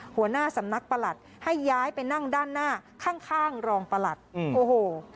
หัวหน้าสำนักประหลัดให้ย้ายไปนั่งด้านหน้าข้างรองประหลัดโอ้โห